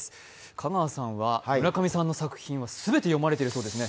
香川さんは村上さんの作品全て読まれているそうですね。